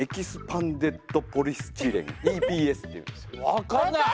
分かんない！